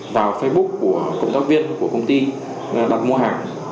vào facebook của công tác viên của công ty đặt mua hàng